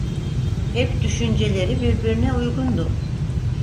Hep düşünceleri birbirine uygundu.